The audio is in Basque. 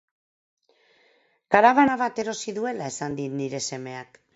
Karabana bat erosi duela esan dit nire semeak.